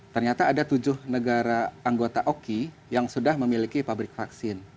ternyata ada tujuh negara anggota oki yang sudah memiliki pabrik vaksin